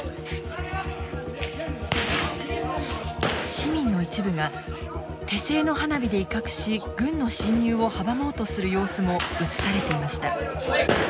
市民の一部が手製の花火で威嚇し軍の侵入を阻もうとする様子も映されていました。